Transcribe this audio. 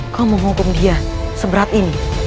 kau menghukum dia seberat ini